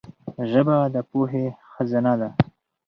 ژبه د پوهي خزانه ده.